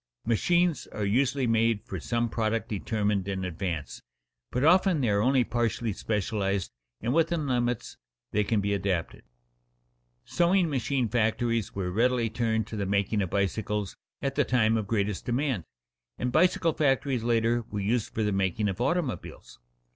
Machines are usually made for some product determined in advance, but often they are only partially specialized and within limits they can be adapted. Sewing machine factories were readily turned to the making of bicycles at the time of greatest demand, and bicycle factories later were used for the making of automobiles.